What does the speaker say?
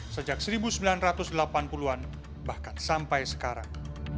sejak seribu sembilan ratus delapan puluh an bahkan sampai sekarang